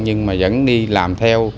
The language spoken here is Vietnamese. nhưng mà vẫn đi làm